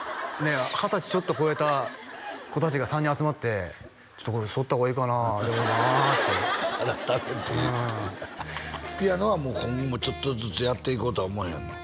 二十歳ちょっと超えた子達が３人集まってちょっとこれそった方がいいかなでもなって改めて言うとなピアノは今後もちょっとずつやっていこうとは思わへんの？